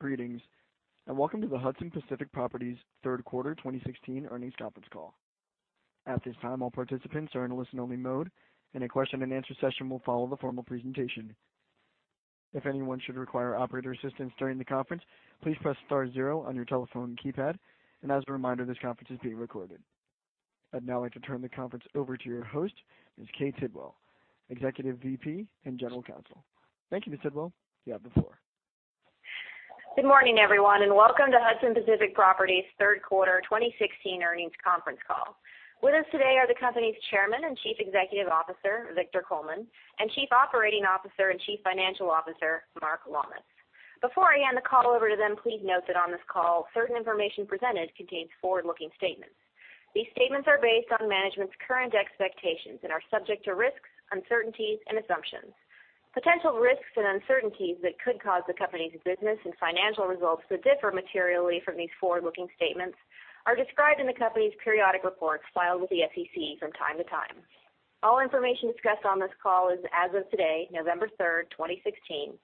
Greetings, welcome to the Hudson Pacific Properties third quarter 2016 earnings conference call. At this time, all participants are in a listen-only mode, a question-and-answer session will follow the formal presentation. If anyone should require operator assistance during the conference, please press star zero on your telephone keypad. As a reminder, this conference is being recorded. I'd now like to turn the conference over to your host, Ms. Kay Tidwell, Executive VP and General Counsel. Thank you, Ms. Tidwell. You have the floor. Good morning, everyone, welcome to Hudson Pacific Properties' third quarter 2016 earnings conference call. With us today are the company's Chairman and Chief Executive Officer, Victor Coleman, and Chief Operating Officer and Chief Financial Officer, Mark Lammas. Before I hand the call over to them, please note that on this call, certain information presented contains forward-looking statements. These statements are based on management's current expectations and are subject to risks, uncertainties, and assumptions. Potential risks and uncertainties that could cause the company's business and financial results to differ materially from these forward-looking statements are described in the company's periodic reports filed with the SEC from time to time. All information discussed on this call is as of today, November 3rd, 2016,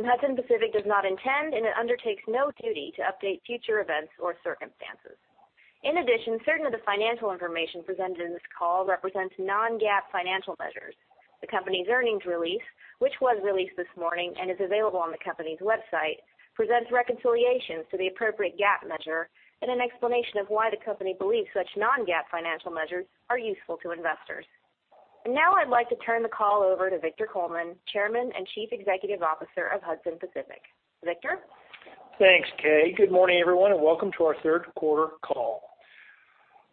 Hudson Pacific does not intend and it undertakes no duty to update future events or circumstances. In addition, certain of the financial information presented in this call represents non-GAAP financial measures. The company's earnings release, which was released this morning and is available on the company's website, presents reconciliations to the appropriate GAAP measure and an explanation of why the company believes such non-GAAP financial measures are useful to investors. Now I'd like to turn the call over to Victor Coleman, Chairman and Chief Executive Officer of Hudson Pacific. Victor? Thanks, Kay. Good morning, everyone, welcome to our third quarter call.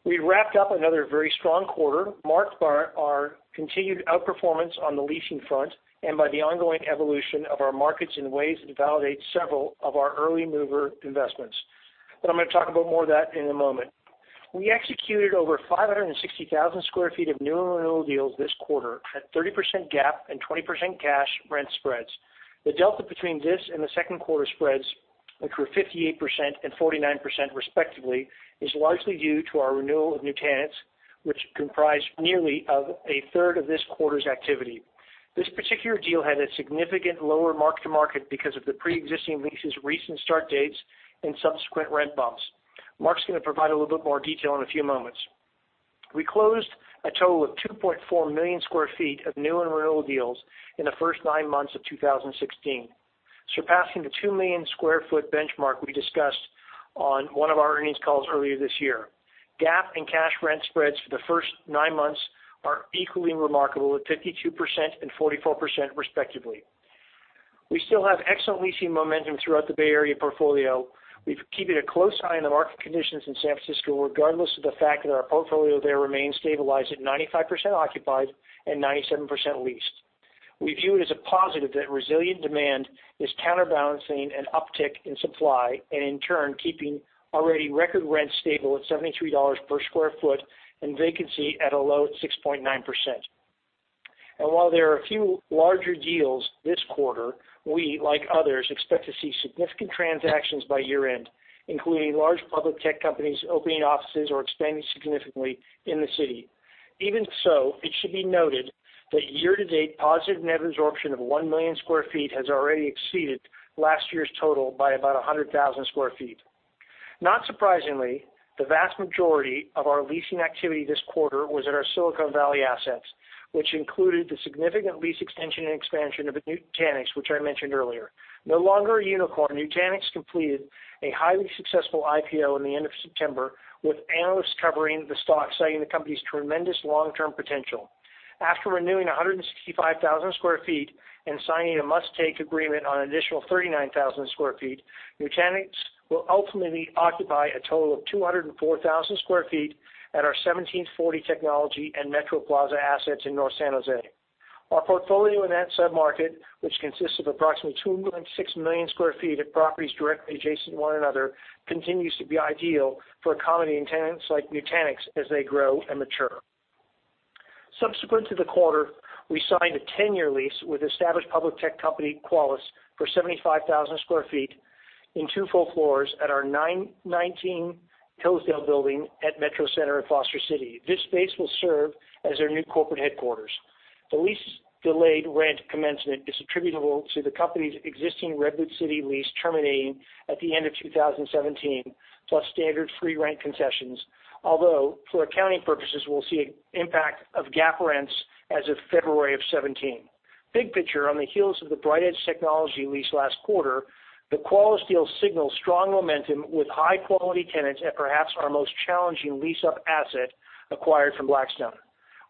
We wrapped up another very strong quarter, marked by our continued outperformance on the leasing front and by the ongoing evolution of our markets in ways that validate several of our early-mover investments. I'm going to talk about more of that in a moment. We executed over 560,000 square feet of new and renewal deals this quarter at 30% GAAP and 20% cash rent spreads. The delta between this and the second quarter spreads, which were 58% and 49% respectively, is largely due to our renewal of Nutanix, which comprise nearly of a third of this quarter's activity. This particular deal had a significant lower mark-to-market because of the pre-existing leases' recent start dates and subsequent rent bumps. Mark's going to provide a little bit more detail in a few moments. We closed a total of 2.4 million sq ft of new and renewal deals in the first nine months of 2016, surpassing the 2 million sq ft benchmark we discussed on one of our earnings calls earlier this year. GAAP and cash rent spreads for the first nine months are equally remarkable, at 52% and 44% respectively. We still have excellent leasing momentum throughout the Bay Area portfolio. We've keeping a close eye on the market conditions in San Francisco, regardless of the fact that our portfolio there remains stabilized at 95% occupied and 97% leased. We view it as a positive that resilient demand is counterbalancing an uptick in supply, and in turn, keeping already record rents stable at $73 per sq ft and vacancy at a low 6.9%. While there are a few larger deals this quarter, we, like others, expect to see significant transactions by year-end, including large public tech companies opening offices or expanding significantly in the city. Even so, it should be noted that year-to-date positive net absorption of 1 million sq ft has already exceeded last year's total by about 100,000 sq ft. Not surprisingly, the vast majority of our leasing activity this quarter was at our Silicon Valley assets, which included the significant lease extension and expansion of Nutanix, which I mentioned earlier. No longer a unicorn, Nutanix completed a highly successful IPO in the end of September, with analysts covering the stock, citing the company's tremendous long-term potential. After renewing 165,000 sq ft and signing a must-take agreement on an additional 39,000 sq ft, Nutanix will ultimately occupy a total of 204,000 sq ft at our 1740 Technology and Metro Plaza assets in North San Jose. Our portfolio in that sub-market, which consists of approximately 2.6 million sq ft of properties directly adjacent to one another, continues to be ideal for accommodating tenants like Nutanix as they grow and mature. Subsequent to the quarter, we signed a 10-year lease with established public tech company, Qualys, for 75,000 sq ft in two full floors at our 919 Hillsdale building at Metro Center in Foster City. This space will serve as their new corporate headquarters. The lease delayed rent commencement is attributable to the company's existing Redwood City lease terminating at the end of 2017, plus standard free rent concessions. Although, for accounting purposes, we'll see an impact of GAAP rents as of February of 2017. Big picture, on the heels of the BrightEdge Technologies lease last quarter, the Qualys deal signals strong momentum with high-quality tenants at perhaps our most challenging lease-up asset acquired from Blackstone.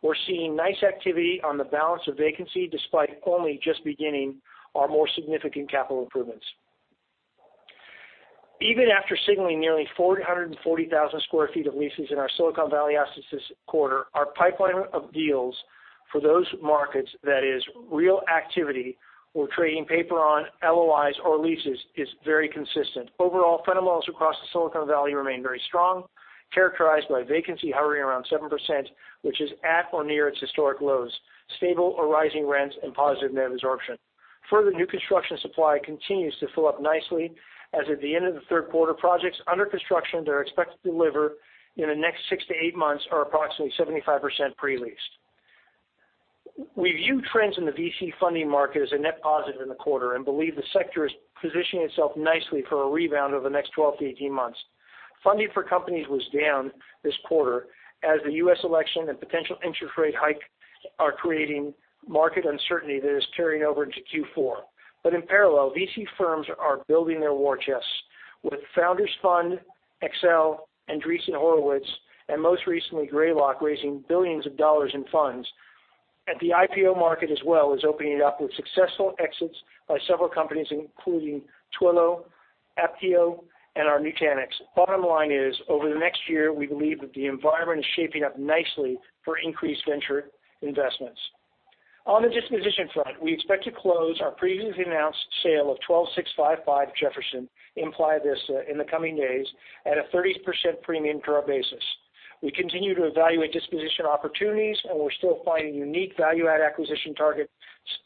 We're seeing nice activity on the balance of vacancy, despite only just beginning our more significant capital improvements. Even after signaling nearly 440,000 sq ft of leases in our Silicon Valley assets this quarter, our pipeline of deals for those markets, that is real activity, we're trading paper on, LOIs or leases, is very consistent. Overall, fundamentals across the Silicon Valley remain very strong, characterized by vacancy hovering around 7%, which is at or near its historic lows, stable or rising rents, and positive net absorption. Further new construction supply continues to fill up nicely as at the end of the third quarter, projects under construction that are expected to deliver in the next 6 to 8 months are approximately 75% pre-leased. We view trends in the VC funding market as a net positive in the quarter, and believe the sector is positioning itself nicely for a rebound over the next 12 to 18 months. Funding for companies was down this quarter as the U.S. election and potential interest rate hike are creating market uncertainty that is carrying over into Q4. In parallel, VC firms are building their war chests with Founders Fund, Accel, Andreessen Horowitz, and most recently, Greylock, raising billions of dollars in funds. The IPO market as well is opening up with successful exits by several companies, including Twilio, Apptio, and our Nutanix. Bottom line is, over the next year, we believe that the environment is shaping up nicely for increased venture investments. On the disposition front, we expect to close our previously announced sale of 12655 Jefferson in Playa Vista in the coming days at a 30% premium to our basis. We continue to evaluate disposition opportunities, and we're still finding unique value-add acquisition targets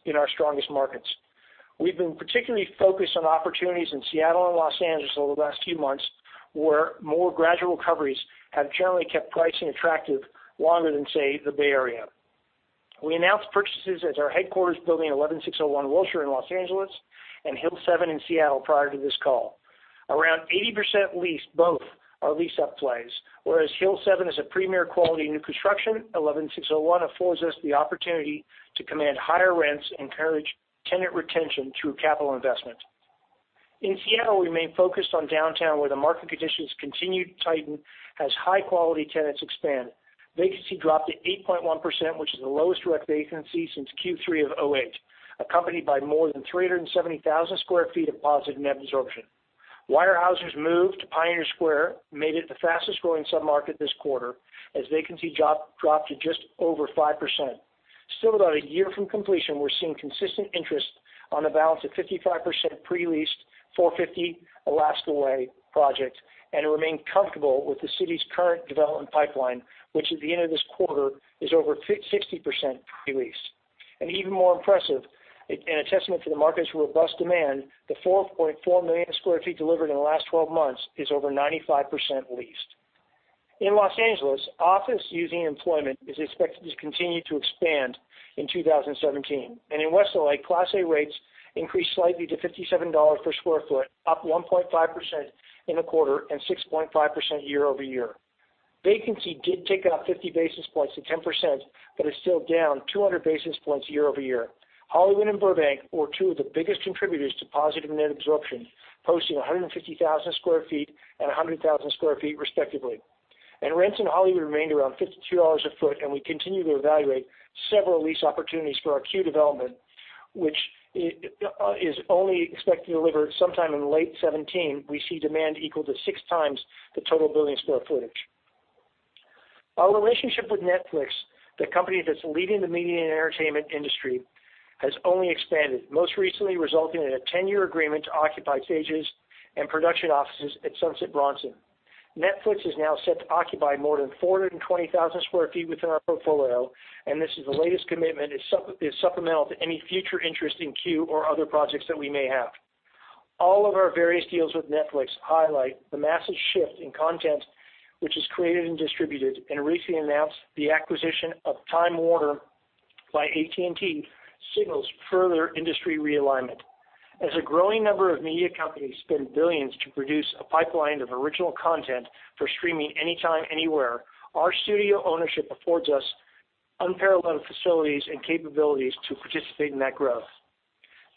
in our strongest markets. We've been particularly focused on opportunities in Seattle and L.A. over the last few months, where more gradual recoveries have generally kept pricing attractive longer than, say, the Bay Area. We announced purchases at our headquarters building, 11601 Wilshire in L.A. and Hill7 in Seattle prior to this call. Around 80% leased, both are lease-up plays. Whereas Hill7 is a premier quality new construction, 11601 affords us the opportunity to command higher rents and encourage tenant retention through capital investment. In Seattle, we remain focused on downtown, where the market conditions continue to tighten as high-quality tenants expand. Vacancy dropped to 8.1%, which is the lowest direct vacancy since Q3 2008, accompanied by more than 370,000 square feet of positive net absorption. Weyerhaeuser's move to Pioneer Square made it the fastest-growing sub-market this quarter, as vacancy dropped to just over 5%. Still about a year from completion, we're seeing consistent interest on the balance of 55% pre-leased 450 Alaskan Way project, and remain comfortable with the city's current development pipeline, which at the end of this quarter is over 60% pre-leased. Even more impressive, and a testament to the market's robust demand, the 4.4 million square feet delivered in the last 12 months is over 95% leased. In L.A., office using employment is expected to continue to expand in 2017. In West L.A., Class A rates increased slightly to $57 per square foot, up 1.5% in the quarter and 6.5% year-over-year. Vacancy did tick up 50 basis points to 10%, but is still down 200 basis points year-over-year. Hollywood and Burbank were two of the biggest contributors to positive net absorption, posting 150,000 square feet and 100,000 square feet respectively. Rents in Hollywood remained around $52 a foot, and we continue to evaluate several lease opportunities for our CUE development, which is only expected to deliver sometime in late 2017. We see demand equal to six times the total building square footage. Our relationship with Netflix, the company that's leading the media and entertainment industry, has only expanded, most recently resulting in a 10-year agreement to occupy stages and production offices at Sunset Bronson. Netflix is now set to occupy more than 420,000 sq ft within our portfolio, and this is the latest commitment, is supplemental to any future interest in CUE or other projects that we may have. All of our various deals with Netflix highlight the massive shift in content, which is created and distributed. Recently announced the acquisition of Time Warner by AT&T signals further industry realignment. As a growing number of media companies spend $billions to produce a pipeline of original content for streaming anytime, anywhere, our studio ownership affords us unparalleled facilities and capabilities to participate in that growth.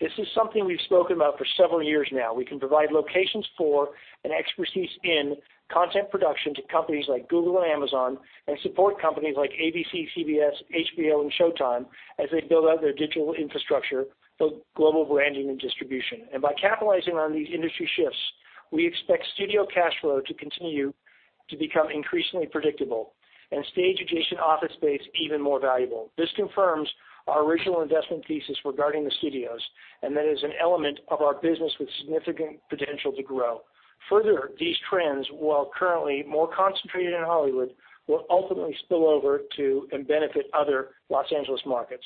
This is something we've spoken about for several years now. We can provide locations for and expertise in content production to companies like Google and Amazon, and support companies like ABC, CBS, HBO, and Showtime as they build out their digital infrastructure, build global branding and distribution. By capitalizing on these industry shifts, we expect studio cash flow to continue to become increasingly predictable and stage-adjacent office space even more valuable. This confirms our original investment thesis regarding the studios, and that is an element of our business with significant potential to grow. Further, these trends, while currently more concentrated in Hollywood, will ultimately spill over to and benefit other Los Angeles markets.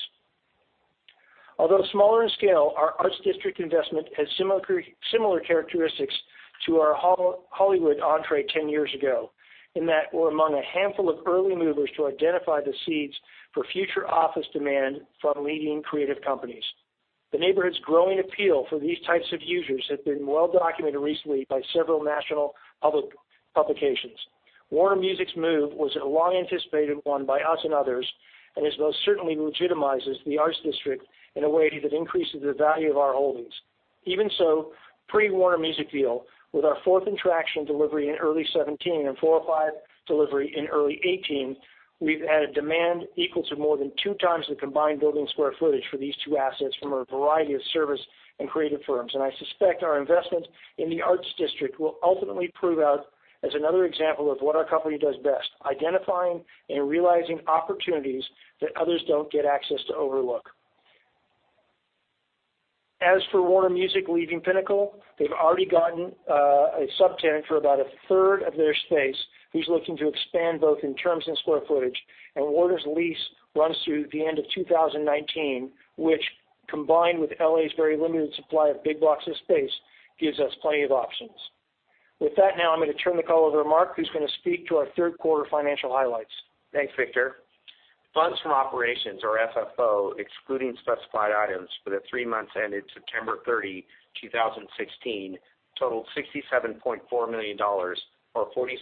Although smaller in scale, our Arts District investment has similar characteristics to our Hollywood entree 10 years ago, in that we're among a handful of early movers to identify the seeds for future office demand from leading creative companies. The neighborhood's growing appeal for these types of users has been well documented recently by several national publications. Warner Music's move was a long-anticipated one by us and others, and it most certainly legitimizes the Arts District in a way that increases the value of our holdings. Even so, pre Warner Music deal, with our Fourth and Traction delivery in early 2017 and 405 Mateo delivery in early 2018, we've added demand equal to more than two times the combined building sq ft for these two assets from a variety of service and creative firms. I suspect our investment in the Arts District will ultimately prove out as another example of what our company does best, identifying and realizing opportunities that others don't get access to overlook. As for Warner Music leaving Pinnacle, they've already gotten a subtenant for about a third of their space, who's looking to expand both in terms and sq ft. Warner's lease runs through the end of 2019, which combined with L.A.'s very limited supply of big blocks of space, gives us plenty of options. With that now I'm going to turn the call over to Mark, who's going to speak to our third quarter financial highlights. Thanks, Victor. Funds from operations or FFO, excluding specified items for the three months ended September 30, 2016, totaled $67.4 million, or $0.46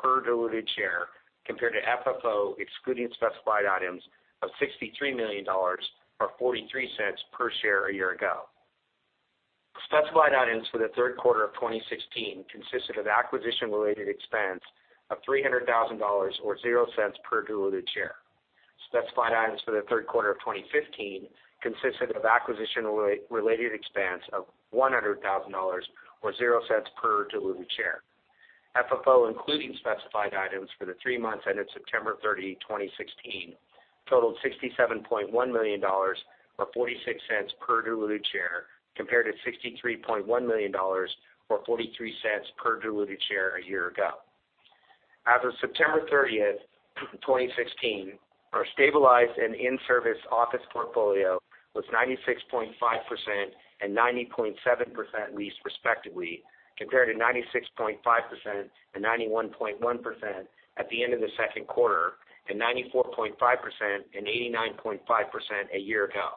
per diluted share, compared to FFO, excluding specified items of $63 million or $0.43 per share a year ago. Specified items for the third quarter of 2016 consisted of acquisition-related expense of $300,000, or $0.00 per diluted share. Specified items for the third quarter of 2015 consisted of acquisition-related expense of $100,000, or $0.00 per diluted share. FFO, including specified items for the three months ended September 30, 2016, totaled $67.1 million, or $0.46 per diluted share, compared to $63.1 million or $0.43 per diluted share a year ago. As of September 30th, 2016, our stabilized and in-service office portfolio was 96.5% and 90.7% leased respectively, compared to 96.5% and 91.1% at the end of the second quarter, and 94.5% and 89.5% a year ago.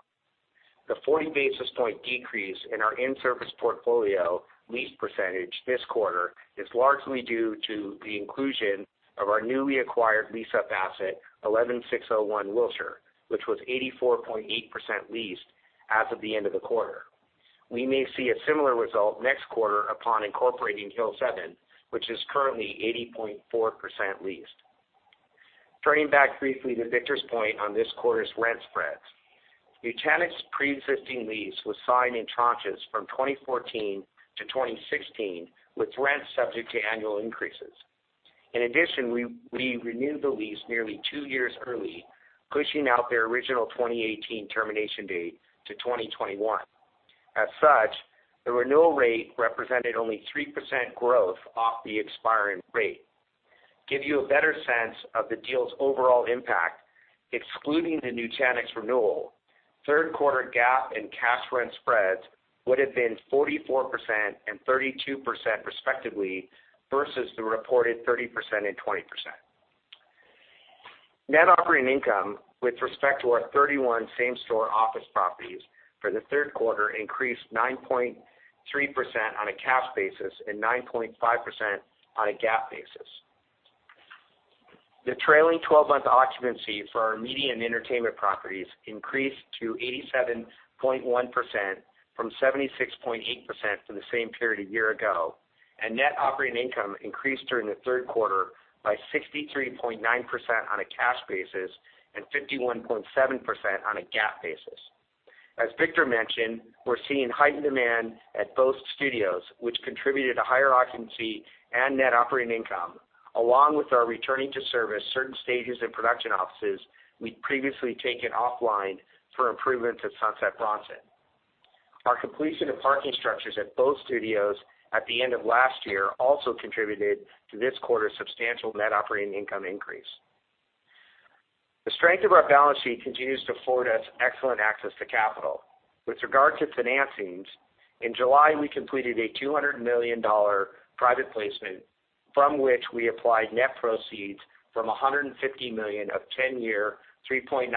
The 40 basis point decrease in our in-service portfolio lease percentage this quarter is largely due to the inclusion of our newly acquired lease-up asset, 11601 Wilshire, which was 84.8% leased as of the end of the quarter. We may see a similar result next quarter upon incorporating Hill7, which is currently 80.4% leased. Turning back briefly to Victor's point on this quarter's rent spreads. Nutanix's preexisting lease was signed in tranches from 2014 to 2016, with rents subject to annual increases. In addition, we renewed the lease nearly two years early, pushing out their original 2018 termination date to 2021. As such, the renewal rate represented only 3% growth off the expiring rate. Give you a better sense of the deal's overall impact, excluding the Nutanix renewal, third quarter GAAP and cash rent spreads would have been 44% and 32% respectively, versus the reported 30% and 20%. Net operating income with respect to our 31 same-store office properties for the third quarter increased 9.3% on a cash basis and 9.5% on a GAAP basis. The trailing 12-month occupancy for our media and entertainment properties increased to 87.1% from 76.8% for the same period a year ago, and net operating income increased during the third quarter by 63.9% on a cash basis and 51.7% on a GAAP basis. As Victor mentioned, we're seeing heightened demand at both studios, which contributed to higher occupancy and net operating income, along with our returning to service certain stages and production offices we'd previously taken offline for improvements at Sunset Bronson. Our completion of parking structures at both studios at the end of last year also contributed to this quarter's substantial net operating income increase. The strength of our balance sheet continues to afford us excellent access to capital. With regard to financings, in July, we completed a $200 million private placement from which we applied net proceeds from $150 million of 10-year 3.98%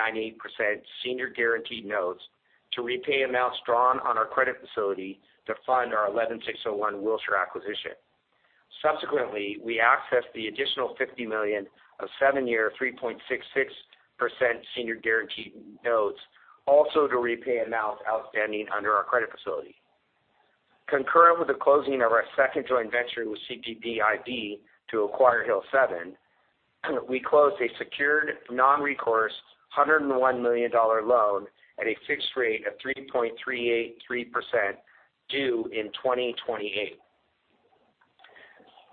senior guaranteed notes to repay amounts drawn on our credit facility to fund our 11601 Wilshire acquisition. Subsequently, we accessed the additional $50 million of seven-year 3.66% senior guaranteed notes, also to repay amounts outstanding under our credit facility. Concurrent with the closing of our second joint venture with CPPIB to acquire Hill7, we closed a secured non-recourse $101 million loan at a fixed rate of 3.383%, due in 2028.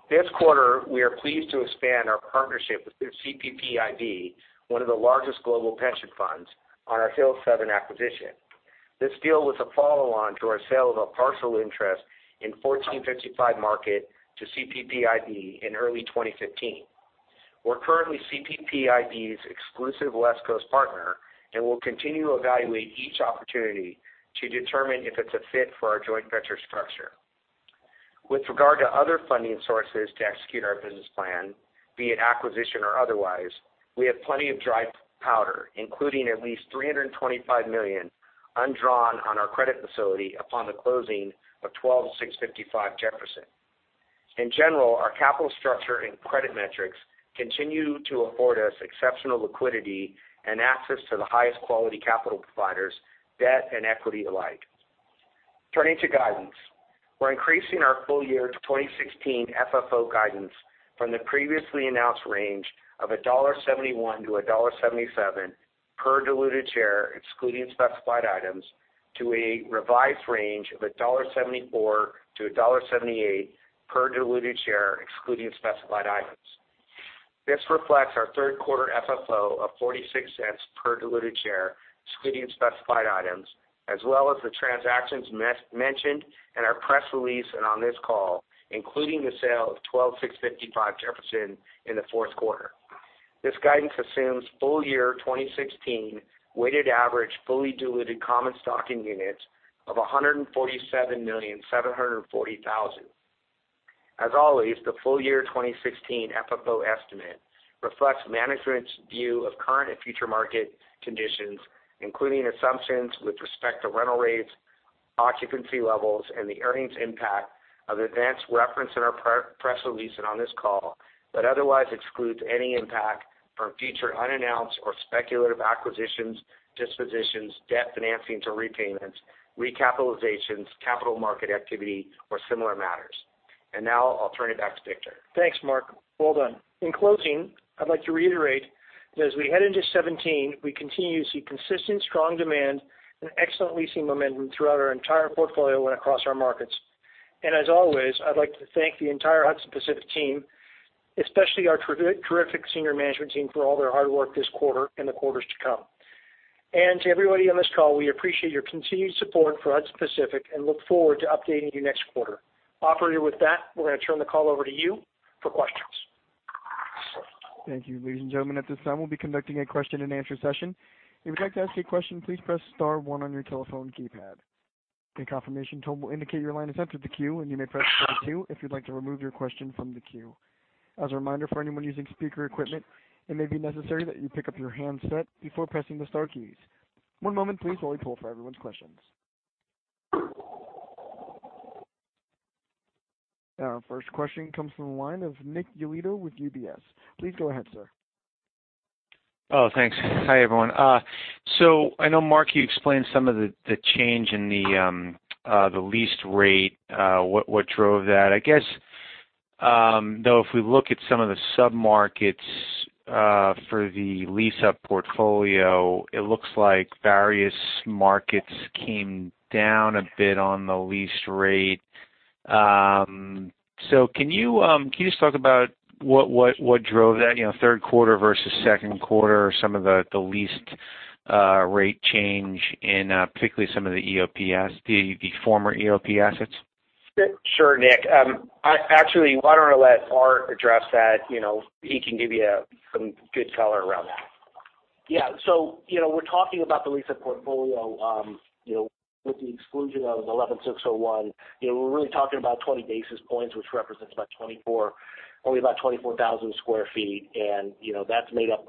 This quarter, we are pleased to expand our partnership with CPPIB, one of the largest global pension funds, on our Hill7 acquisition. This deal was a follow-on to our sale of a partial interest in 1455 Market to CPPIB in early 2015. We're currently CPPIB's exclusive West Coast partner and will continue to evaluate each opportunity to determine if it's a fit for our joint venture structure. With regard to other funding sources to execute our business plan, be it acquisition or otherwise, we have plenty of dry powder, including at least $325 million undrawn on our credit facility upon the closing of 12655 Jefferson. In general, our capital structure and credit metrics continue to afford us exceptional liquidity and access to the highest quality capital providers, debt and equity alike. Turning to guidance. We're increasing our full-year 2016 FFO guidance from the previously announced range of $1.71-$1.77 per diluted share, excluding specified items, to a revised range of $1.74-$1.78 per diluted share, excluding specified items. This reflects our third quarter FFO of $0.46 per diluted share, excluding specified items, as well as the transactions mentioned in our press release and on this call, including the sale of 12655 Jefferson in the fourth quarter. This guidance assumes full-year 2016 weighted average fully diluted common stocking units of 147,740,000. As always, the full-year 2016 FFO estimate reflects management's view of current and future market conditions, including assumptions with respect to rental rates, occupancy levels, and the earnings impact of events referenced in our press release and on this call, but otherwise excludes any impact from future unannounced or speculative acquisitions, dispositions, debt financing, to repayments, recapitalizations, capital market activity, or similar matters. Now I'll turn it back to Victor. Thanks, Mark. Well done. In closing, I'd like to reiterate that as we head into 2017, we continue to see consistent strong demand and excellent leasing momentum throughout our entire portfolio and across our markets. As always, I'd like to thank the entire Hudson Pacific team, especially our terrific senior management team for all their hard work this quarter and the quarters to come. To everybody on this call, we appreciate your continued support for Hudson Pacific and look forward to updating you next quarter. Operator, with that, we're going to turn the call over to you for questions. Thank you. Ladies and gentlemen, at this time, we'll be conducting a question-and-answer session. If you'd like to ask a question, please press star one on your telephone keypad. A confirmation tone will indicate your line has entered the queue, and you may press star two if you'd like to remove your question from the queue. As a reminder, for anyone using speaker equipment, it may be necessary that you pick up your handset before pressing the star keys. One moment please, while we poll for everyone's questions. Our first question comes from the line of Nick Yulico with UBS. Please go ahead, sir. Oh, thanks. Hi, everyone. I know, Mark, you explained some of the change in the leased rate, what drove that. I guess, though, if we look at some of the sub-markets for the lease-up portfolio, it looks like various markets came down a bit on the lease rate. Can you just talk about what drove that third quarter versus second quarter or some of the leased rate change in particularly some of the former EOP assets? Sure, Nick. Actually, why don't I let Art address that? He can give you some good color around that. Yeah. We're talking about the lease-up portfolio with the exclusion of 11601. We're really talking about 20 basis points, which represents only about 24,000 sq ft, and that's made up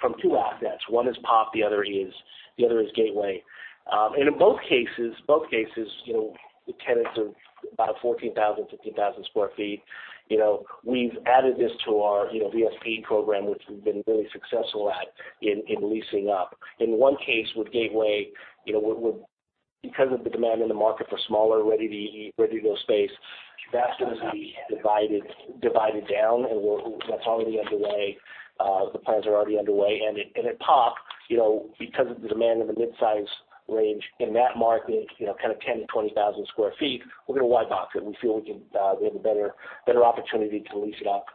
from two assets. One is Pop, the other is Gateway. In both cases, the tenants are about 14,000, 15,000 sq ft. We've added this to our VSP program, which we've been very successful at in leasing up. In one case with Gateway, because of the demand in the market for smaller ready-to-go space, that's going to be divided down, and that's already underway. The plans are already underway. At Pop, because of the demand in the mid-size range in that market, kind of 10,000-20,000 sq ft, we're going to wide box it. We feel we have a better opportunity to lease it up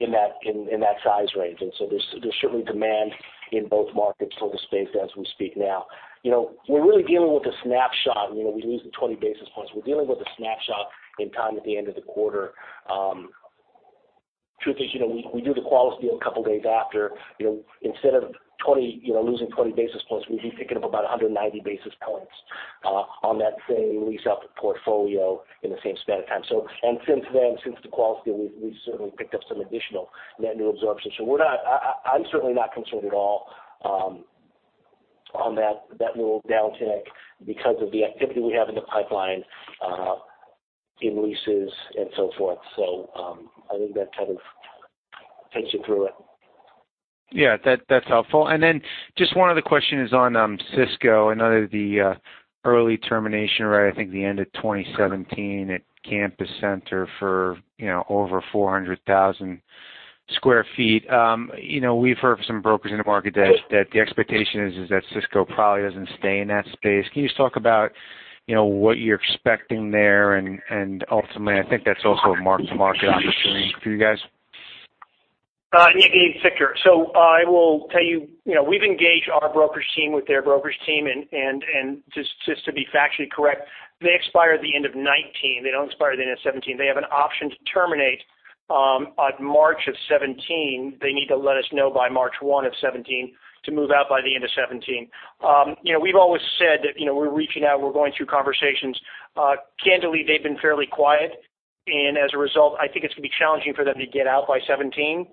in that size range. There's certainly demand in both markets for the space as we speak now. We're really dealing with a snapshot. We're losing 20 basis points. We're dealing with a snapshot in time at the end of the quarter. Truth is, we do the Qualys deal a couple of days after. Instead of losing 20 basis points, we'd be picking up about 190 basis points on that same lease-up portfolio in the same span of time. Since then, since the Qualys deal, we've certainly picked up some additional net new absorption. I'm certainly not concerned at all on that little downtick because of the activity we have in the pipeline in leases and so forth. I think that kind of takes you through it. Yeah. That's helpful. Then just one other question is on Cisco. I know that the early termination right, I think the end of 2017 at Campus Center for over 400,000 square feet. We've heard from some brokers in the market that the expectation is that Cisco probably doesn't stay in that space. Can you just talk about what you're expecting there? Ultimately, I think that's also a mark-to-market opportunity for you guys. Victor. I will tell you, we've engaged our brokerage team with their brokerage team, and just to be factually correct, they expire at the end of 2019. They don't expire at the end of 2017. They have an option to terminate on March of 2017. They need to let us know by March 1 of 2017 to move out by the end of 2017. We've always said that we're reaching out, we're going through conversations. Candidly, they've been fairly quiet, and as a result, I think it's going to be challenging for them to get out by 2017,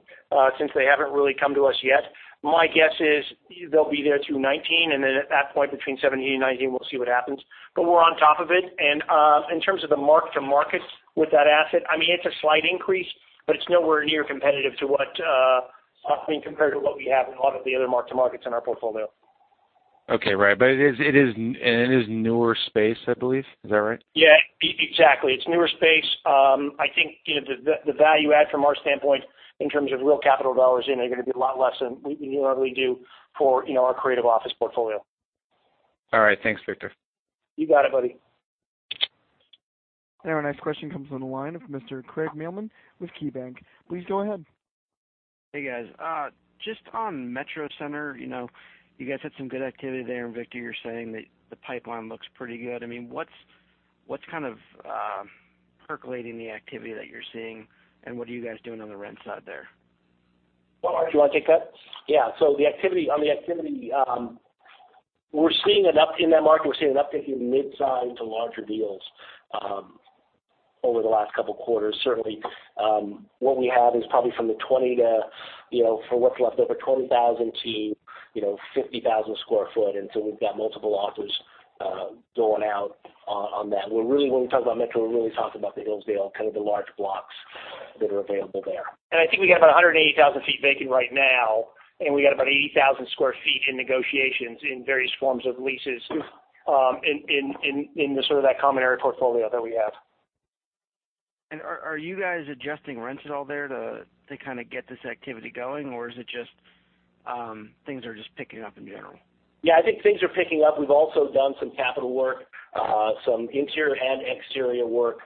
since they haven't really come to us yet. My guess is they'll be there through 2019, and then at that point between 2017 and 2019, we'll see what happens. We're on top of it, and in terms of the mark-to-markets with that asset, it's a slight increase, but it's nowhere near competitive to what— I mean, compared to what we have in a lot of the other mark-to-markets in our portfolio. Okay. Right. It is newer space, I believe. Is that right? Yeah, exactly. It's newer space. I think the value add from our standpoint in terms of real capital dollars in are going to be a lot less than we normally do for our creative office portfolio. All right. Thanks, Victor. You got it, buddy. Our next question comes on the line of Craig Mailman with KeyBanc. Please go ahead. Hey, guys. Just on Metro Center, you guys had some good activity there. Victor, you're saying that the pipeline looks pretty good. What's percolating the activity that you're seeing, and what are you guys doing on the rent side there? Well, Art, do you want to take that? Yeah. On the activity, we're seeing an uptick in that market. We're seeing an uptick in midsize to larger deals over the last couple of quarters, certainly. What we have is probably from the 20, for what's left over 20,000 to 50,000 sq ft, we've got multiple offers going out on that. When we talk about Metro, we're really talking about the Hillsdale, kind of the large blocks that are available there. I think we got about 180,000 feet vacant right now, and we got about 80,000 square feet in negotiations in various forms of leases in sort of that common area portfolio that we have. Are you guys adjusting rents at all there to kind of get this activity going, or is it just things are just picking up in general? I think things are picking up. We've also done some capital work, some interior and exterior work,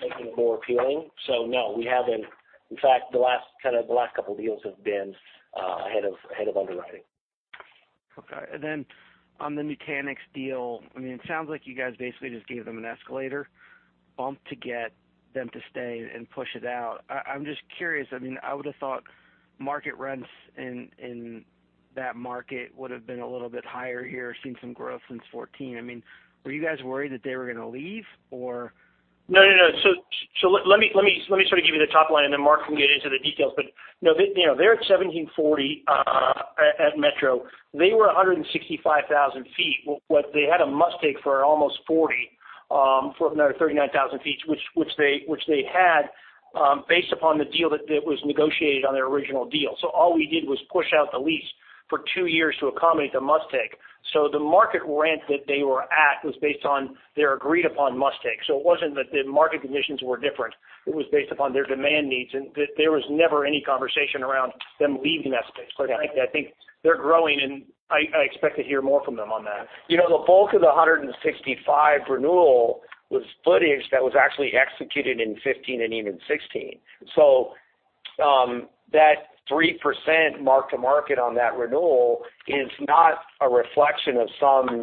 making it more appealing. No, we haven't. In fact, the last couple of deals have been ahead of underwriting. Okay. On the Nutanix deal, it sounds like you guys basically just gave them an escalator bump to get them to stay and push it out. I'm just curious, I would've thought market rents in that market would've been a little bit higher here, seen some growth since 2014. Were you guys worried that they were going to leave or? No. Let me sort of give you the top line, and then Mark can get into the details. They're at 1,740 at Metro. They were 165,000 feet. They had a must-take for almost 40,000, for another 39,000 feet, which they had, based upon the deal that was negotiated on their original deal. All we did was push out the lease for two years to accommodate the must-take. The market rent that they were at was based on their agreed-upon must-take. It wasn't that the market conditions were different. It was based upon their demand needs, and there was never any conversation around them leaving that space. Quite the contrary. I think they're growing, and I expect to hear more from them on that. The bulk of the 165 renewal was footage that was actually executed in 2015 and even 2016. That 3% mark-to-market on that renewal is not a reflection of some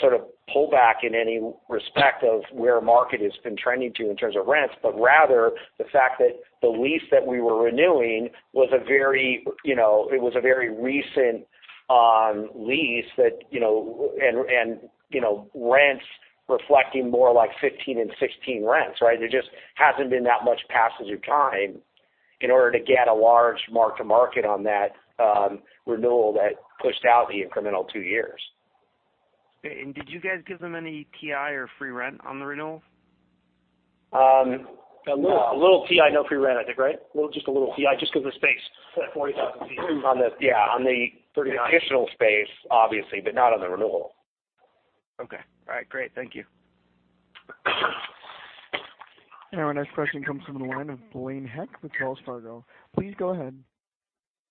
sort of pullback in any respect of where market has been trending to in terms of rents, but rather the fact that the lease that we were renewing it was a very recent lease and rents reflecting more like 2015 and 2016 rents, right? There just hasn't been that much passage of time in order to get a large mark-to-market on that renewal that pushed out the incremental two years. Okay. Did you guys give them any TI or free rent on the renewal? No. A little TI, no free rent, I think, right? Just a little TI, just because of the space. That 40,000 feet. On the- 39 additional space, obviously, but not on the renewal. Okay. All right. Great. Thank you. Our next question comes from the line of Blaine Heck with Wells Fargo. Please go ahead.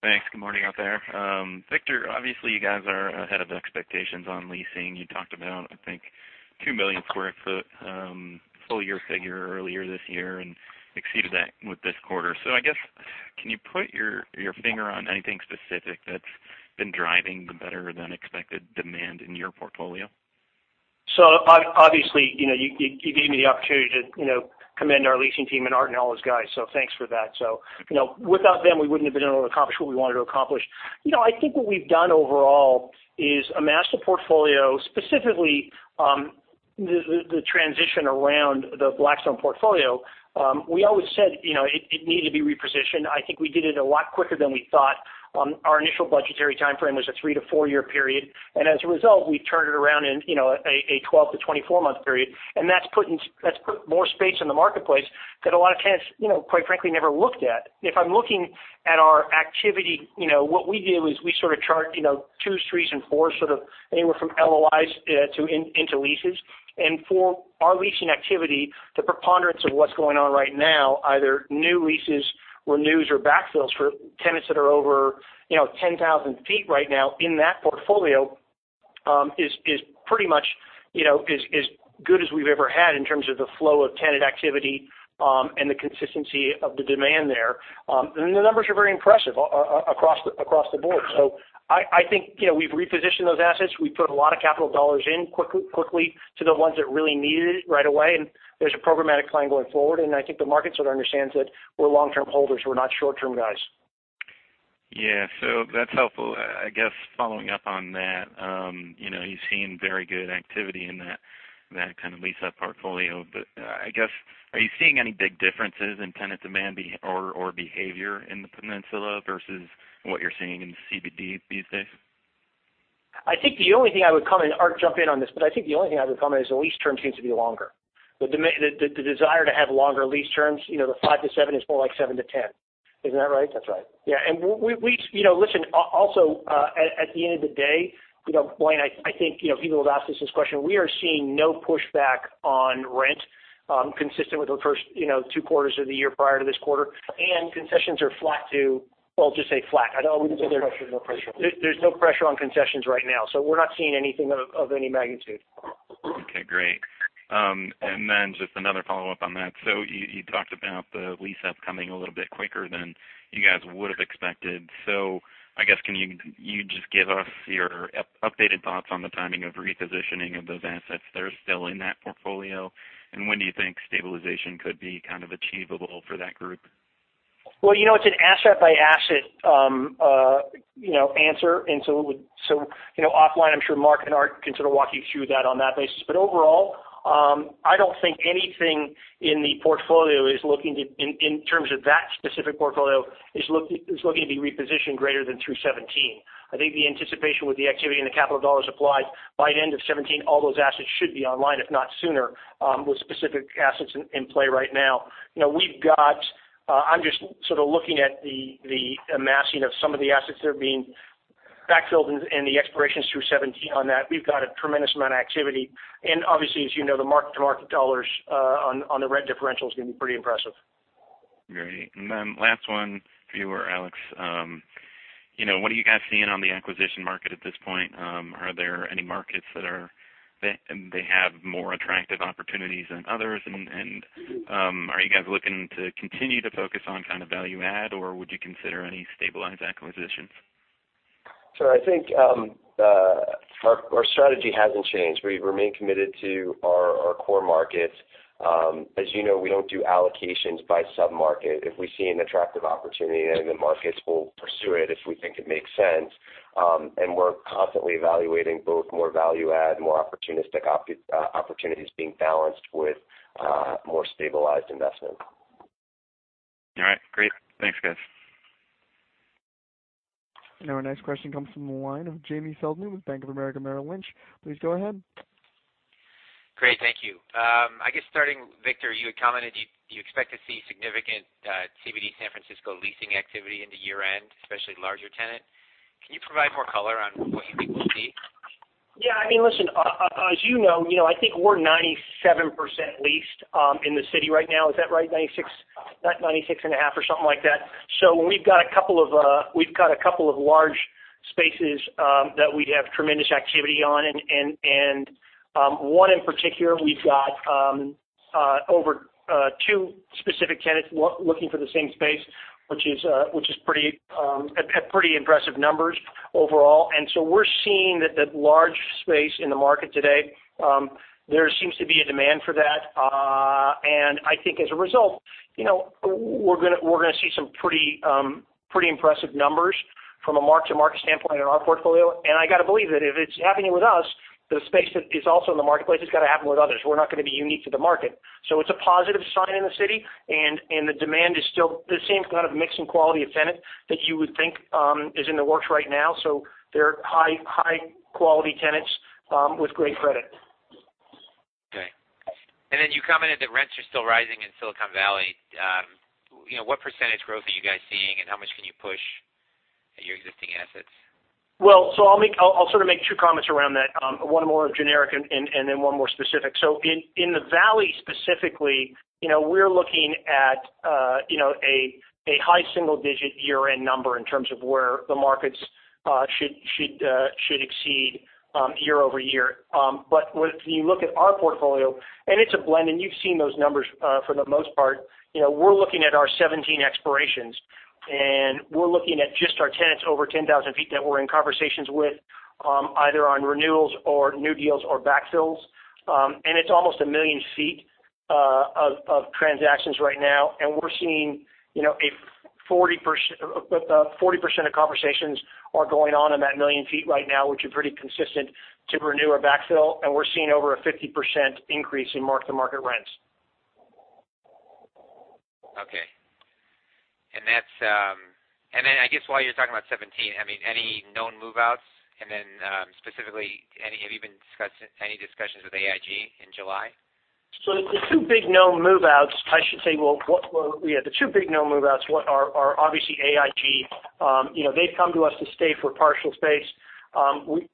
Thanks. Good morning out there. Victor, obviously, you guys are ahead of the expectations on leasing. You talked about, I think, 2 million sq ft full-year figure earlier this year and exceeded that with this quarter. I guess, can you put your finger on anything specific that's been driving the better-than-expected demand in your portfolio? Obviously, you gave me the opportunity to commend our leasing team and Art and all his guys, so thanks for that. Without them, we wouldn't have been able to accomplish what we wanted to accomplish. I think what we've done overall is amassed a portfolio, specifically, the transition around the Blackstone portfolio. We always said it needed to be repositioned. I think we did it a lot quicker than we thought. Our initial budgetary timeframe was a three-to-four-year period. As a result, we turned it around in a 12-24-month period. That's put more space in the marketplace that a lot of tenants, quite frankly, never looked at. If I'm looking at our activity, what we do is we sort of chart twos, threes, and fours, sort of anywhere from LOIs into leases. For our leasing activity, the preponderance of what's going on right now, either new leases, renews, or backfills for tenants that are over 10,000 feet right now in that portfolio, is pretty much as good as we've ever had in terms of the flow of tenant activity, and the consistency of the demand there. The numbers are very impressive across the board. I think we've repositioned those assets. We put a lot of capital dollars in quickly to the ones that really needed it right away, and there's a programmatic plan going forward, and I think the market sort of understands that we're long-term holders. We're not short-term guys. Yeah. That's helpful. I guess following up on that, you've seen very good activity in that kind of leased-up portfolio, but I guess, are you seeing any big differences in tenant demand or behavior in the Peninsula versus what you're seeing in the CBD these days? I think the only thing I would comment, Art, jump in on this. I think the only thing I would comment is the lease term seems to be longer. The desire to have longer lease terms, the five to seven is more like seven to 10. Isn't that right? That's right. Listen, also, at the end of the day, Blaine, I think, people have asked us this question. We are seeing no pushback on rent, consistent with the first two quarters of the year prior to this quarter, and concessions are flat. There's no pressure. There's no pressure on concessions right now. We're not seeing anything of any magnitude. Okay, great. Just another follow-up on that. You talked about the lease ups coming a little bit quicker than you guys would've expected. I guess, can you just give us your updated thoughts on the timing of repositioning of those assets that are still in that portfolio? When do you think stabilization could be kind of achievable for that group? Well, it's an asset-by-asset answer. Offline, I'm sure Mark and Art can sort of walk you through that on that basis. Overall, I don't think anything in terms of that specific portfolio, is looking to be repositioned greater than through 2017. I think the anticipation with the activity and the capital dollars applied, by the end of 2017, all those assets should be online, if not sooner, with specific assets in play right now. I'm just sort of looking at the amassing of some of the assets that are being back-filled and the expirations through 2017 on that. We've got a tremendous amount of activity. Obviously, as you know, the mark-to-market dollars on the rent differential is going to be pretty impressive. Great. Last one for you, Alex. What are you guys seeing on the acquisition market at this point? Are there any markets that have more attractive opportunities than others? Are you guys looking to continue to focus on kind of value add, or would you consider any stabilized acquisitions? I think our strategy hasn't changed. We remain committed to our core markets. As you know, we don't do allocations by sub-market. If we see an attractive opportunity in any of the markets, we'll pursue it if we think it makes sense. We're constantly evaluating both more value add and more opportunistic opportunities being balanced with more stabilized investment. All right. Great. Thanks, guys. Our next question comes from the line of Jamie Feldman with Bank of America Merrill Lynch. Please go ahead. Great. Thank you. I guess starting, Victor, you had commented you expect to see significant CBD San Francisco leasing activity into year-end, especially larger tenant. Can you provide more color on what you think we'll see? Yeah. I mean, listen, as you know, I think we're 97% leased in the city right now. Is that right? 96.5%, or something like that. We've got a couple of large spaces that we have tremendous activity on. One in particular, we've got over two specific tenants looking for the same space, which is pretty impressive numbers overall. We're seeing that large space in the market today. There seems to be a demand for that. I think as a result, we're going to see some pretty impressive numbers from a mark-to-market standpoint in our portfolio. I got to believe that if it's happening with us, the space that is also in the marketplace, it's got to happen with others. We're not going to be unique to the market. It's a positive sign in the city, and the demand is still the same kind of mix and quality of tenant that you would think is in the works right now. They're high-quality tenants with great credit. Okay. Then you commented that rents are still rising in Silicon Valley. What % growth are you guys seeing, and how much can you push your existing assets? Well, I'll sort of make two comments around that, one more generic and then one more specific. In the Valley specifically, we're looking at a high single-digit year-end number in terms of where the markets should exceed year-over-year. When you look at our portfolio, it's a blend, you've seen those numbers for the most part, we're looking at our 2017 expirations, we're looking at just our tenants over 10,000 feet that we're in conversations with, either on renewals or new deals or backfills. It's almost 1 million feet of transactions right now. We're seeing about 40% of conversations are going on in that 1 million feet right now, which are pretty consistent to renew or backfill. We're seeing over a 50% increase in mark-to-market rents. Okay. I guess while you're talking about 2017, any known move-outs? Specifically, have you been any discussions with AIG in July? The two big known move-outs, I should say, well, yeah, the two big known move-outs are obviously AIG. They've come to us to stay for partial space.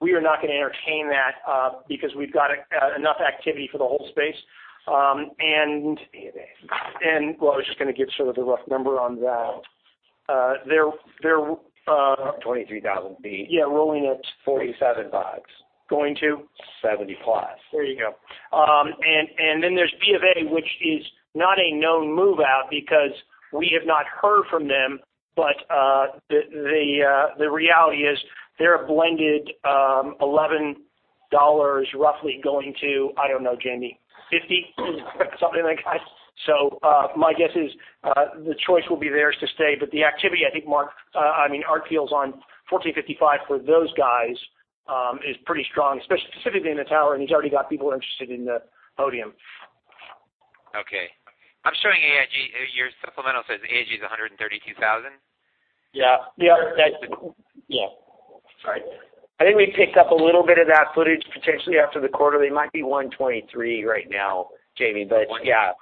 We are not going to entertain that because we've got enough activity for the whole space. I was just going to give sort of a rough number on that. 23,000 feet. Yeah, rolling it. $47. Going to? 70-plus. There you go. Then there's B of A, which is not a known move-out because we have not heard from them. The reality is they're a blended $11 roughly going to, I don't know, Jamie, $50? Something like that. My guess is the choice will be theirs to stay. The activity, I think Art feels on 1455 for those guys is pretty strong, specifically in the tower, and he's already got people interested in the podium. Okay. I'm showing AIG. Your supplemental says AIG is 132,000? Yeah. Sorry. I think we picked up a little bit of that footage potentially after the quarter. They might be 123 right now, Jamie. Yeah,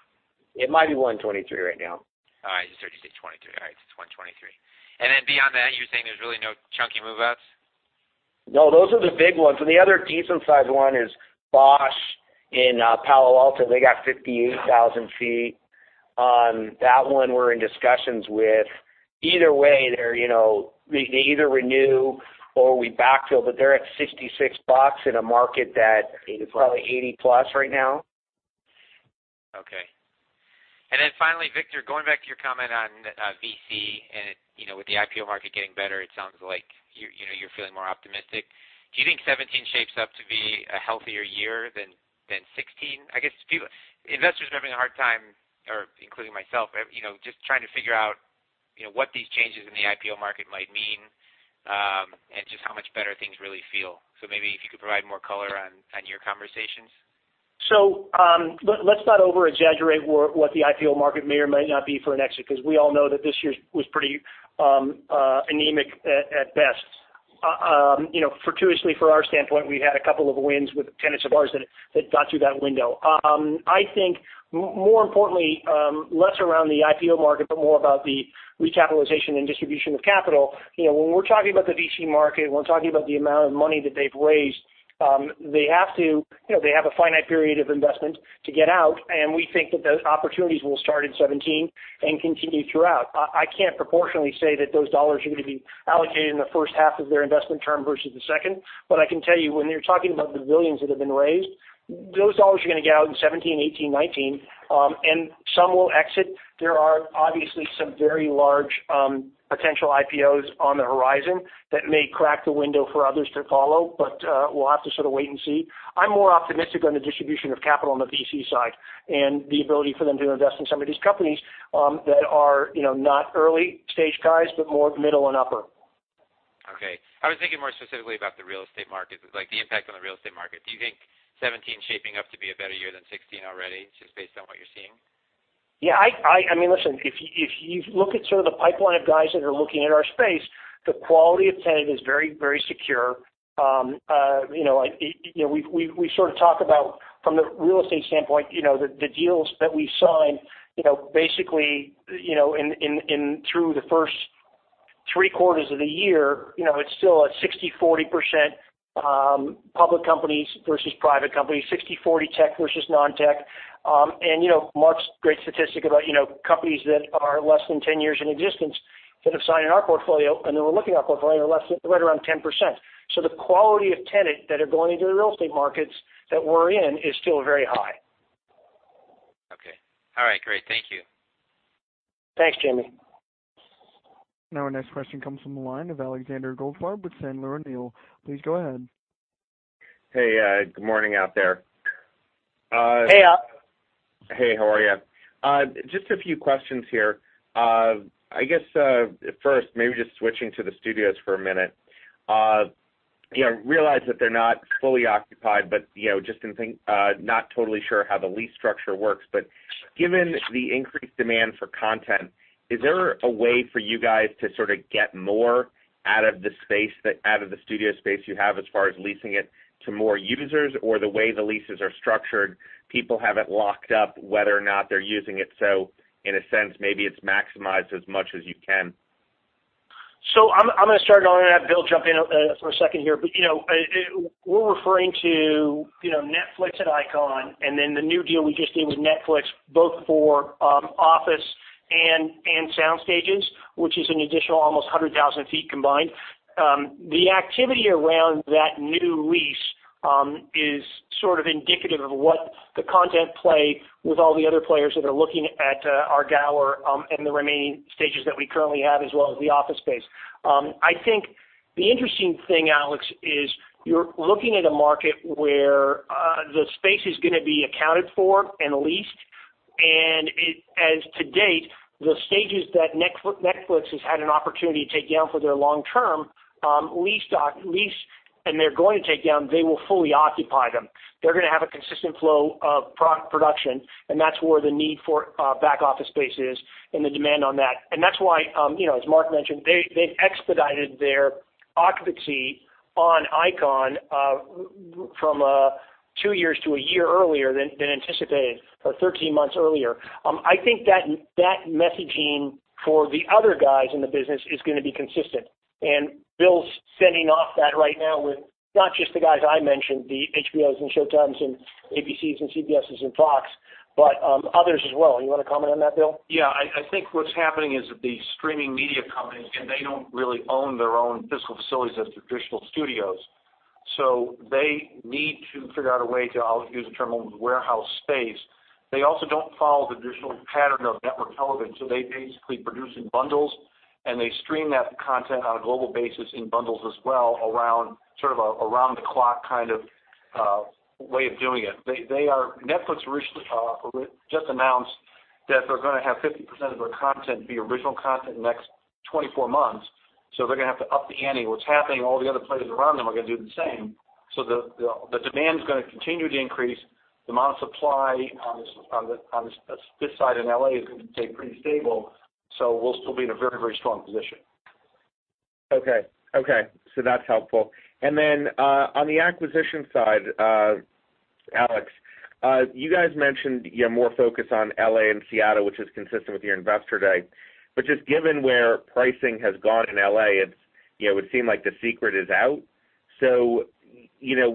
it might be 123 right now. All right. You said 23. All right, it's 123. Then beyond that, you were saying there's really no chunky move-outs? No, those are the big ones. The other decent size one is Bosch in Palo Alto. They got 58,000 feet. On that one, we're in discussions with Either way, they either renew or we backfill, but they're at $66. 80 plus is probably 80 plus right now. Finally, Victor, going back to your comment on VC and with the IPO market getting better, it sounds like you're feeling more optimistic. Do you think 2017 shapes up to be a healthier year than 2016? I guess investors are having a hard time, or including myself, just trying to figure out what these changes in the IPO market might mean, and just how much better things really feel. Maybe if you could provide more color on your conversations. Let's not over-exaggerate what the IPO market may or may not be for an exit, because we all know that this year was pretty anemic at best. Fortuitously for our standpoint, we had a couple of wins with tenants of ours that got through that window. I think more importantly, less around the IPO market, but more about the recapitalization and distribution of capital. When we're talking about the VC market, when we're talking about the amount of money that they've raised, they have a finite period of investment to get out, and we think that those opportunities will start in 2017, and continue throughout. I can't proportionally say that those dollars are going to be allocated in the first half of their investment term versus the second. I can tell you when you're talking about the $ billions that have been raised, those dollars are going to get out in 2017, 2018, 2019, and some will exit. There are obviously some very large potential IPOs on the horizon that may crack the window for others to follow, but we'll have to sort of wait and see. I'm more optimistic on the distribution of capital on the VC side, and the ability for them to invest in some of these companies that are not early-stage guys, but more middle and upper. Okay. I was thinking more specifically about the real estate market. Like the impact on the real estate market. Do you think 2017's shaping up to be a better year than 2016 already, just based on what you're seeing? Yeah. Listen, if you look at sort of the pipeline of guys that are looking at our space, the quality of tenant is very secure. We sort of talk about from the real estate standpoint, the deals that we sign, basically through the first three quarters of the year, it's still a 60/40 public companies versus private companies, 60/40 tech versus non-tech. Mark's great statistic about companies that are less than 10 years in existence that have signed our portfolio and that were looking at our portfolio are right around 10%. The quality of tenant that are going into the real estate markets that we're in is still very high. Okay. All right, great. Thank you. Thanks, Jamie. Our next question comes from the line of Alexander Goldfarb with Sandler O'Neill. Please go ahead. Hey, good morning out there. Hey, Al. Hey, how are you? Just a few questions here. I guess, first, maybe just switching to the studios for a minute. I realize that they're not fully occupied, but just not totally sure how the lease structure works. Given the increased demand for content, is there a way for you guys to sort of get more out of the studio space you have as far as leasing it to more users? The way the leases are structured, people have it locked up whether or not they're using it, so in a sense, maybe it's maximized as much as you can. I'm going to start, and I'll let Bill jump in for a second here. We're referring to Netflix at Icon, and then the new deal we just did with Netflix, both for office and sound stages, which is an additional almost 100,000 feet combined. The activity around that new lease is sort of indicative of what the content play with all the other players that are looking at our Gower and the remaining stages that we currently have, as well as the office space. I think the interesting thing, Alex, is you're looking at a market where the space is going to be accounted for and leased, and as to date, the stages that Netflix has had an opportunity to take down for their long-term lease, and they're going to take down, they will fully occupy them. They're going to have a consistent flow of production, and that's where the need for back office space is and the demand on that. That's why, as Mark mentioned, they've expedited their occupancy on Icon from 2 years to 1 year earlier than anticipated, or 13 months earlier. I think that messaging for the other guys in the business is going to be consistent, and Bill's sending off that right now with not just the guys I mentioned, the HBOs, and Showtimes, and ABCs, and CBSes, and Fox, but others as well. You want to comment on that, Bill? Yeah. I think what's happening is that the streaming media companies, again, they don't really own their own physical facilities as traditional studios. They need to figure out a way to, I'll use the term, warehouse space. They also don't follow the traditional pattern of network television, so they basically produce in bundles, and they stream that content on a global basis in bundles as well, sort of around the clock kind of way of doing it. Netflix just announced that they're going to have 50% of their content be original content in the next 24 months, so they're going to have to up the ante. What's happening, all the other players around them are going to do the same. The demand's going to continue to increase. The amount of supply on this side in L.A. is going to stay pretty stable, so we'll still be in a very strong position. Okay. That's helpful. On the acquisition side, Alex, you guys mentioned you're more focused on L.A. and Seattle, which is consistent with your Investor Day. Just given where pricing has gone in L.A., it would seem like the secret is out.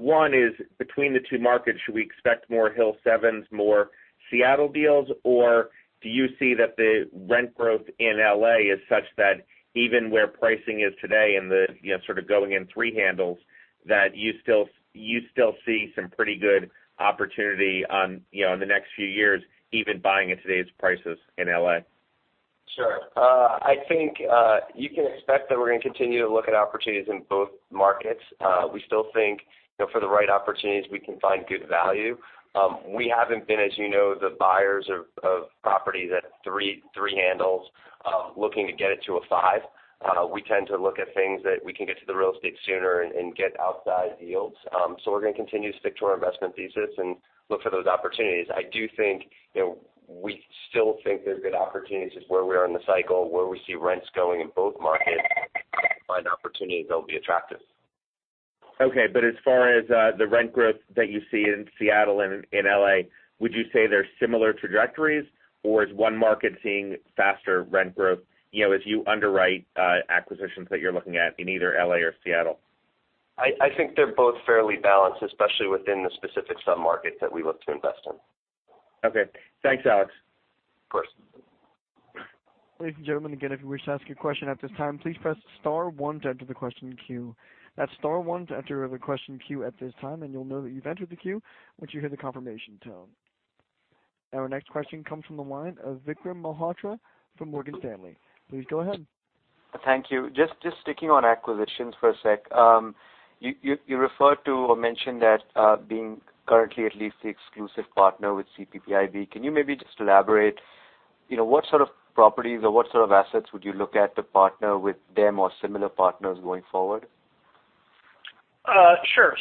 One is between the two markets, should we expect more Hill7, more Seattle deals, or do you see that the rent growth in L.A. is such that even where pricing is today and the sort of going in three handles, that you still see some pretty good opportunity in the next few years, even buying at today's prices in L.A.? Sure. I think you can expect that we're going to continue to look at opportunities in both markets. We still think, for the right opportunities, we can find good value. We haven't been, as you know, the buyers of property that three handles, looking to get it to a five. We tend to look at things that we can get to the real estate sooner and get outsized yields. We're going to continue to stick to our investment thesis and look for those opportunities. I do think, we still think there's good opportunities, just where we are in the cycle, where we see rents going in both markets, find opportunities that'll be attractive. Okay, as far as the rent growth that you see in Seattle and in L.A., would you say they're similar trajectories, or is one market seeing faster rent growth, as you underwrite acquisitions that you're looking at in either L.A. or Seattle? I think they're both fairly balanced, especially within the specific sub-markets that we look to invest in. Okay. Thanks, Alex. Of course. Ladies and gentlemen, again, if you wish to ask a question at this time, please press star one to enter the question queue. That's star one to enter the question queue at this time, you'll know that you've entered the queue once you hear the confirmation tone. Our next question comes from the line of Vikram Malhotra from Morgan Stanley. Please go ahead. Thank you. Just sticking on acquisitions for a sec. You referred to, or mentioned that being currently at least the exclusive partner with CPPIB. Can you maybe just elaborate, what sort of properties or what sort of assets would you look at to partner with them or similar partners going forward? Sure.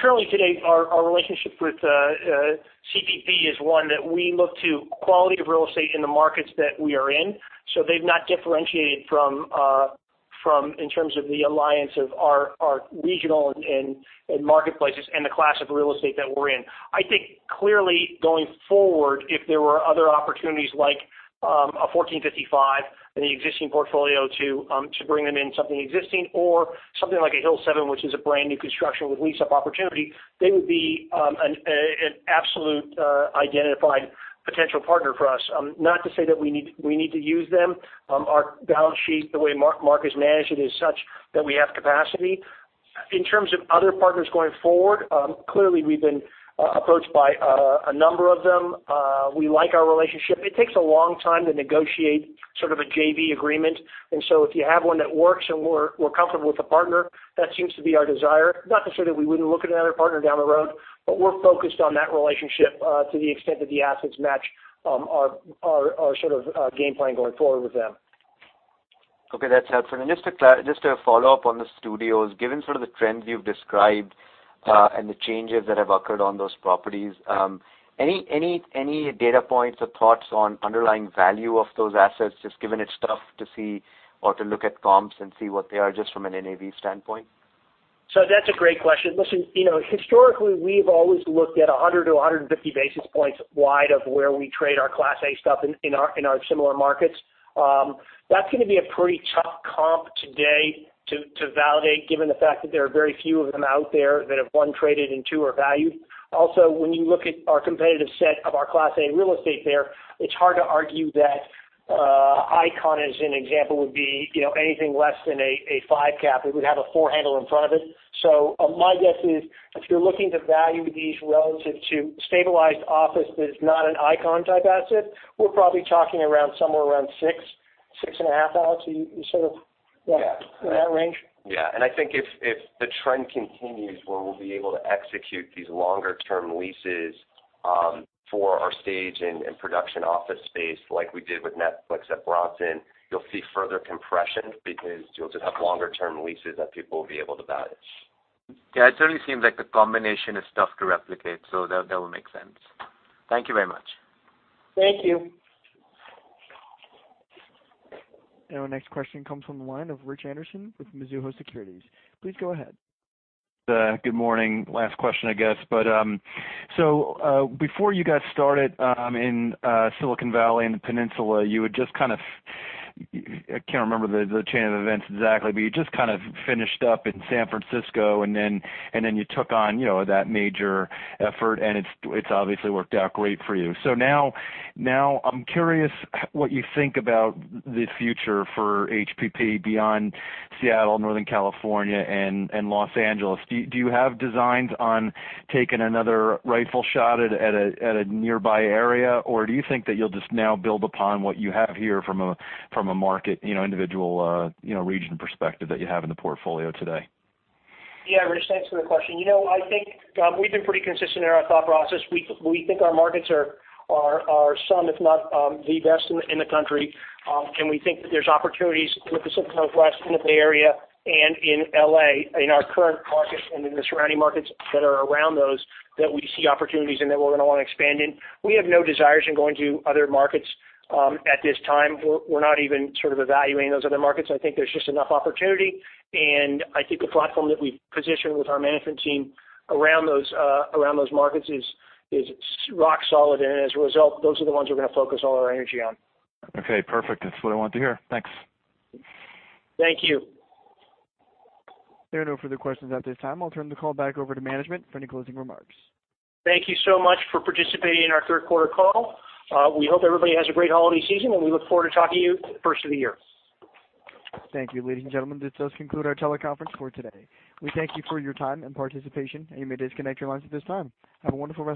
Currently today our relationship with CPPIB is one that we look to quality of real estate in the markets that we are in. They've not differentiated from, in terms of the alliance of our regional and marketplaces and the class of real estate that we're in. I think clearly going forward, if there were other opportunities like a 1455 in the existing portfolio to bring them in something existing or something like a Hill7, which is a brand-new construction with lease-up opportunity, they would be an absolute identified potential partner for us. Not to say that we need to use them. Our balance sheet, the way Mark has managed it is such that we have capacity. In terms of other partners going forward, clearly we've been approached by a number of them. We like our relationship. It takes a long time to negotiate sort of a JV agreement. If you have one that works and we're comfortable with the partner, that seems to be our desire. Not to say that we wouldn't look at another partner down the road, we're focused on that relationship, to the extent that the assets match our sort of game plan going forward with them. Okay, that's helpful. Just to follow up on the studios, given sort of the trends you've described, and the changes that have occurred on those properties, any data points or thoughts on underlying value of those assets, just given it's tough to see or to look at comps and see what they are just from an NAV standpoint? That's a great question. Listen, historically, we've always looked at 100 to 150 basis points wide of where we trade our Class A stuff in our similar markets. That's going to be a pretty tough comp today to validate given the fact that there are very few of them out there that have, one, traded, and two, are valued. Also, when you look at our competitive set of our Class A real estate there, it's hard to argue that Icon, as an example, would be anything less than a 5 cap. It would have a 4 handle in front of it. My guess is if you're looking to value these relative to stabilized office that is not an Icon-type asset, we're probably talking around somewhere around 6.5, Alex. Yeah. In that range. Yeah. I think if the trend continues where we'll be able to execute these longer-term leases for our stage and production office space like we did with Netflix at Bronson, you'll see further compression because you'll just have longer-term leases that people will be able to value. Yeah, it certainly seems like the combination is tough to replicate, that would make sense. Thank you very much. Thank you. Our next question comes from the line of Rich Anderson with Mizuho Securities. Please go ahead. Good morning. Last question, I guess. Before you got started in Silicon Valley, in the peninsula, you had just kind of I can't remember the chain of events exactly, but you just kind of finished up in San Francisco then you took on that major effort, and it's obviously worked out great for you. Now, I'm curious what you think about the future for HPP beyond Seattle, Northern California, and Los Angeles. Do you have designs on taking another rightful shot at a nearby area, or do you think that you'll just now build upon what you have here from a market, individual region perspective that you have in the portfolio today? Yeah, Rich, thanks for the question. I think we've been pretty consistent in our thought process. We think our markets are some if not the best in the country. We think that there's opportunities with the Silicon Northwest, in the Bay Area, and in L.A., in our current markets and in the surrounding markets that are around those, that we see opportunities and that we're going to want to expand in. We have no desires in going to other markets at this time. We're not even sort of evaluating those other markets. I think there's just enough opportunity, and I think the platform that we've positioned with our management team around those markets is rock solid. As a result, those are the ones we're going to focus all our energy on. Okay, perfect. That's what I wanted to hear. Thanks. Thank you. There are no further questions at this time. I'll turn the call back over to management for any closing remarks. Thank you so much for participating in our third quarter call. We hope everybody has a great holiday season, and we look forward to talking to you the first of the year. Thank you. Ladies and gentlemen, this does conclude our teleconference for today. We thank you for your time and participation. You may disconnect your lines at this time. Have a wonderful rest